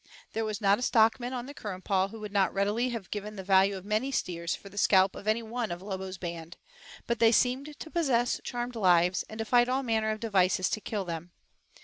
There was not a stockman on the Currumpaw who would not readily have given the value of many steers for the scalp of any one of Lobo's band, but they seemed to possess charmed lives, and defied all manner of devices to kill them.